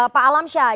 pak alam sya